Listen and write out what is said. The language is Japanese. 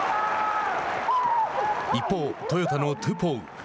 一方、トヨタのトゥポウ。